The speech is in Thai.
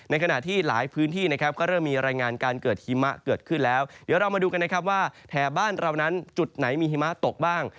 ขณะที่หลายพื้นที่นะครับก็เริ่มมีรายงานการเกิดหิมะเกิดขึ้นแล้วเดี๋ยวเรามาดูกันนะครับว่าแถบบ้านเรานั้นจุดไหนมีหิมะตกบ้าง